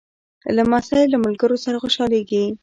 لمسی له ملګرو سره خوشحالېږي.